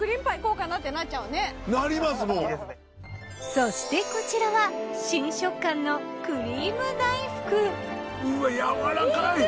そしてこちらは新食感のくりーむ大福。